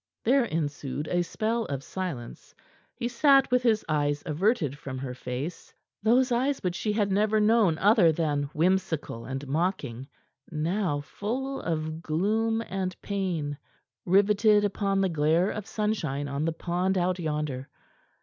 There ensued a spell of silence. He sat with eyes averted from her face those eyes which she had never known other than whimsical and mocking, now full of gloom and pain riveted upon the glare of sunshine on the pond out yonder.